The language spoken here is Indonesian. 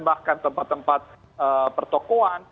bahkan tempat tempat pertokoan